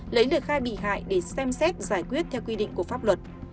lấy lời khai bị hại để xem xét giải quyết theo quy định của pháp luật